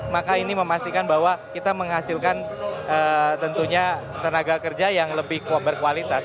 maka ini memastikan bahwa kita menghasilkan tentunya tenaga kerja yang lebih berkualitas